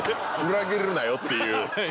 「裏切るなよ」っていう。